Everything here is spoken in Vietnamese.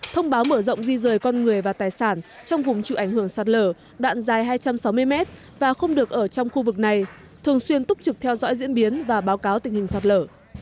thông báo mở rộng di rời con người và tài sản trong vùng chịu ảnh hưởng sạt lở đoạn dài hai trăm sáu mươi mét và không được ở trong khu vực này thường xuyên túc trực theo dõi diễn biến và báo cáo tình hình sạt lở